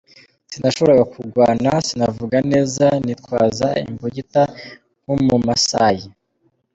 "Sinashobora kugwana, sinavuga neza, nitwaza imbugita nk'umu Maasai.